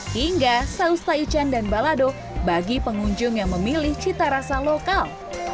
hingga saus taichan dan balado bagi pengunjung yang memilih cita rasa lokal